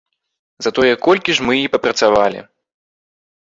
Затое колькі ж мы і папрацавалі!